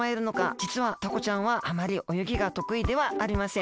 じつはタコちゃんはあまりおよぎがとくいではありません。